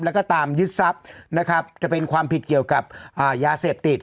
แล้วก็ตามยึดทรัพย์นะครับจะเป็นความผิดเกี่ยวกับยาเสพติด